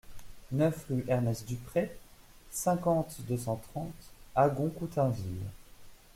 neuf rue Ernest Duprey, cinquante, deux cent trente, Agon-Coutainville